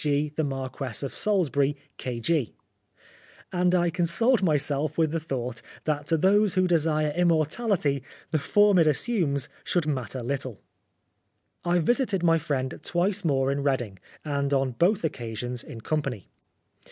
G. the Marquess of Salisbury, K.G." And I consoled myself with the thought that to those who desire immortality, the form it assumes should matter little. 215 Oscar Wilde I visited my friend twice more in Read ing, and on both occasions in company.